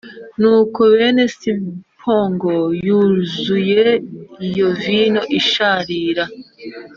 Nuko benda sipongo yuzuye iyo vino isharira